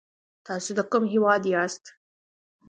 تاسو د کوم هېواد یاست ؟